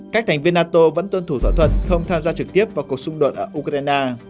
các thành viên nato vẫn tuân thủ thỏa thuận không tham gia trực tiếp vào cuộc xung đột ở ukraine